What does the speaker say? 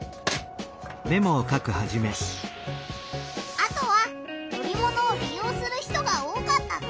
あとは乗り物をり用する人が多かったぞ！